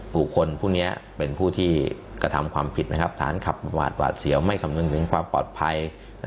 ผู้คนพวกนี้เป็นผู้ที่กระทำความผิดฐานขับหวาดเสียวไม่คำนึงถึงความปลอดภัย